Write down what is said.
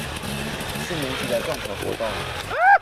四年級的綜合活動